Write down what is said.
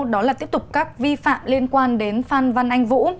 đó là tiếp tục các vi phạm liên quan đến phan văn anh vũ